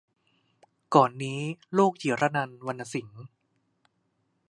ก่อนนี้ ลูกจิรนันท์ วรรณสิงห์